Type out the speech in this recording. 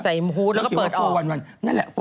ใส่หูแล้วก็เปิดออก